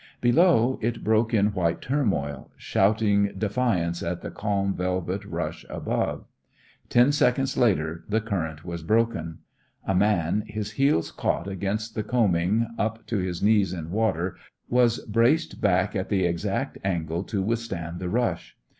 Below, it broke in white turmoil, shouting defiance at the calm velvet rush above. Ten seconds later the current was broken. A man, his heels caught against the combing, up to his knees in water, was braced back at the exact angle to withstand the rush.